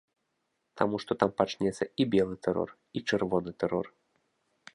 Таму што там пачнецца і белы тэрор, і чырвоны тэрор.